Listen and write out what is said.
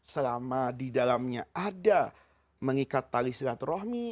selama di dalamnya ada mengikat tali silaturahmi